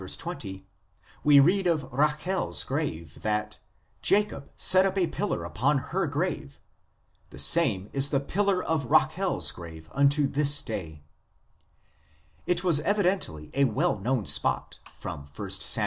20 we read^ of a Rachel s grave that "Jacob set up a pillar upon her grave ; the same is the Pillar of Rachel s grave unto this day"; it was evidently a well known spot, from 1 Sam.